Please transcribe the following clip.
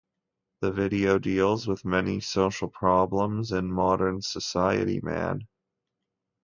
The video deals with many social problems in modern society, man.